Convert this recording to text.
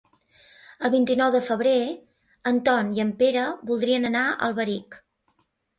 El vint-i-nou de febrer en Ton i en Pere voldrien anar a Alberic.